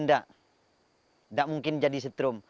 nggak mungkin jadi setrum